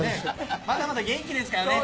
まだまだ元気ですからね。